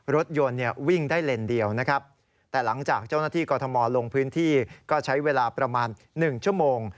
รถยนต์เนี่ยวิ่งได้เลนเดียวนะครับแต่หลังจากเจ้าหน้าที่กรทมลงพื้นที่ก็ใช้เวลาประมาณ๑ชั่วโมง